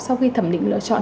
sau khi thẩm định lựa chọn